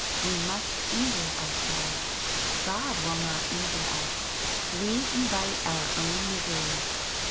We must injure Ourselves. God will not injure us. We invite our own miseries.